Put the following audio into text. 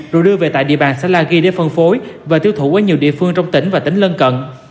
rồi đưa về tại địa bàn xã la ghi để phân phối và tiêu thụ ở nhiều địa phương trong tỉnh và tỉnh lân cận